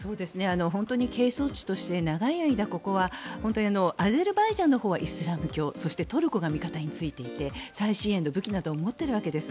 本当に係争地として長い間ここはアゼルバイジャンのほうはイスラム教そしてトルコが味方に付いていて最新鋭の武器なども持っているわけです。